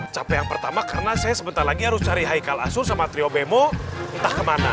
capek yang pertama karena saya sebentar lagi harus cari haikal asur sama trio bemo entah kemana